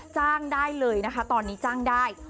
จ้างได้เลยนะคะตอนนี้จ้างได้